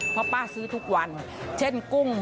เพราะป้าซื้อทุกวัน